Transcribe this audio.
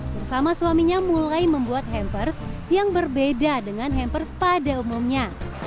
bersama suaminya mulai membuat hampers yang berbeda dengan hampers pada umumnya